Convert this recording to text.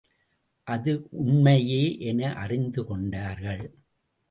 அது உண்மையே என அறிந்து கொண்டார்கள்.